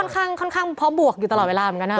ค่อนข้างเพราะบวกอยู่ตลอดเวลาเหมือนกันนะ